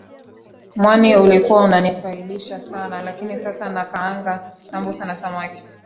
Mwani ulikuwa unanifaidisha sana lakini sasa nakaanga sambusa na samaki